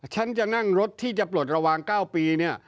ฉันจะนั่งรถที่จะปลดระวัง๙ปีเนี่ย